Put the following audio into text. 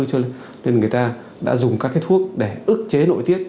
cho nên người ta đã dùng các cái thuốc để ức chế nội tiết